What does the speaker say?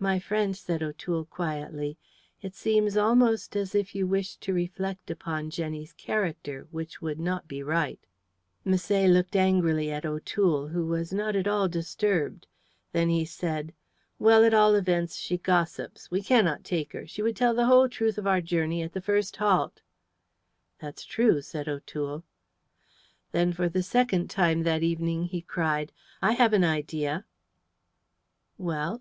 "My friend," said O'Toole, quietly, "it seems almost as if you wished to reflect upon Jenny's character, which would not be right." Misset looked angrily at O'Toole, who was not at all disturbed. Then he said, "Well, at all events, she gossips. We cannot take her. She would tell the whole truth of our journey at the first halt." "That's true," said O'Toole. Then for the second time that evening he cried, "I have an idea." "Well?"